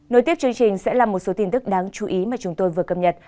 nối tiếp chương trình sẽ là một số tin tức đáng chú ý mà chúng tôi vừa cập nhật